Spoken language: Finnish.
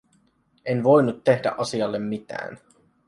En voinut tehdä asialle mitään.